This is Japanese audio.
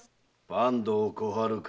坂東小春か。